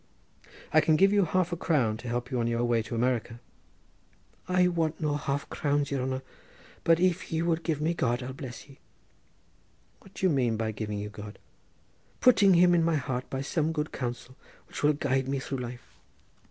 "I can give you half a crown to help you on your way to America." "I want no half crowns, yere hanner; but if ye would give me God I'd bless ye." "What do you mean by giving you God?" "Putting Him in my heart by some good counsel which will guide me through life."